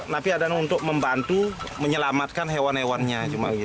tapi ada untuk membantu menyelamatkan hewan hewan nya